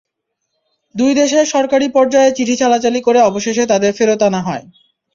দুই দেশের সরকারি পর্যায়ে চিঠি চালাচালি করে অবশেষে তাদের ফেরত আনা হয়।